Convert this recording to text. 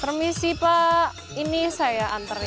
permisi pak ini saya anterin